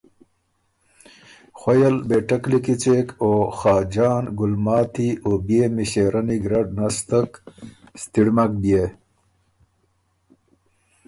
خوئ ل بهېټک لیکی څېک او خاجان، ګلماتی او بئے مِݭېرنی ګېرډ نستک ستِړمک بيې،